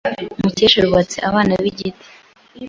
Mukesha yubatse abana be igiti.